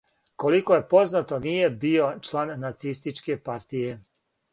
Колико је познато, није био члан нацистичке партије.